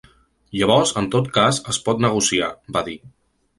Llavors en tot cas es pot negociar, va dir.